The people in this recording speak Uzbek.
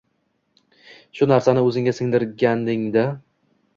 Shu narsani o‘zingga singdirganingda